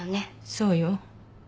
そうよ。